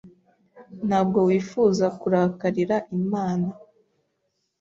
Ntabwo wifuza kurakarira Imana.